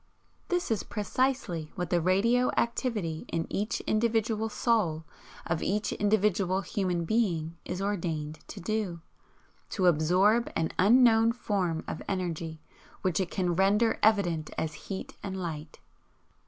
This is precisely what the radio activity in each individual soul of each individual human being is ordained to do, to absorb an 'unknown form of energy which it can render evident as heat and light.'